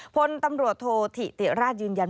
พลตำรวจโทษธิติราชยืนยัน